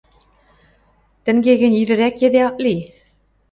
– Тӹнге гӹнь ирӹрӓк кеде ак ли.